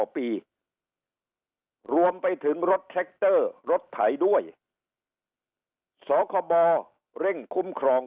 รวมไปถึงรถแท็กเตอร์รถไถด้วยสคบเร่งคุ้มครอง